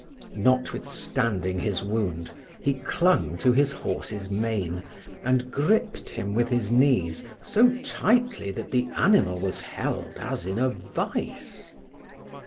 Notwithstanding his wound, he clung to his horse's mane, and gripped him with his knees so tightly that the animal was held as in a vise.